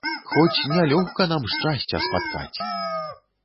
Хоць не лёгка нам шчасця спаткаць!